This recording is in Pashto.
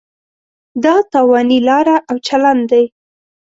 دا تاواني لاره او چلن دی.